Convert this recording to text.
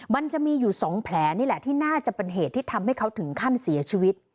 มันจะมีอยู่๒แผลนี่แหละที่น่าจะเป็นเหตุที่ทำให้เขาถึงขั้นเสียชีวิต